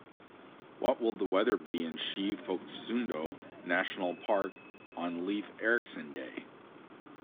What will the weather be in Sche-Phoksundo-Nationalpark on leif erikson day?